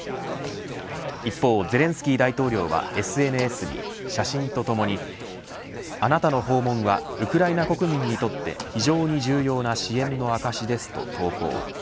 一方ゼレンスキー大統領はＳＮＳに写真とともにあなたの訪問はウクライナ国民にとって非常に重要な支援の証しですと投稿。